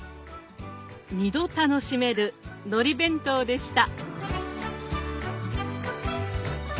「２度楽しめるのり弁当」でした。